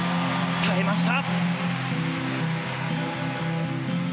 耐えました！